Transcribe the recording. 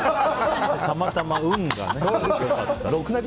たまたま運がね。